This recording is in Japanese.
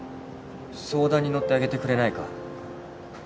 相談に乗ってあげてくれないか？